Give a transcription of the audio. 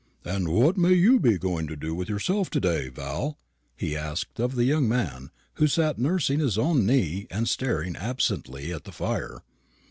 "And what may you be going to do with yourself to day, Val?" he asked of the young man, who sat nursing his own knee and staring absently at the fire.